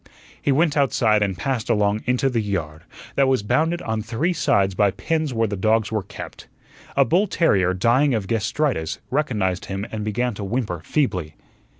He went outside and passed along into the yard, that was bounded on three sides by pens where the dogs were kept. A bull terrier dying of gastritis recognized him and began to whimper feebly.